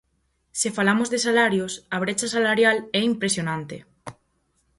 Se falamos de salarios, a brecha salarial é impresionante.